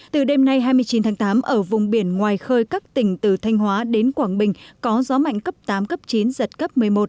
từ đêm nay hai mươi chín tháng tám ở vùng biển ngoài khơi các tỉnh từ thanh hóa đến quảng bình có gió mạnh cấp tám cấp chín giật cấp một mươi một